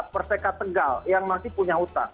perseka tegal yang masih punya utang